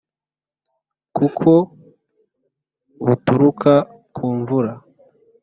kuko buturuka kumvura.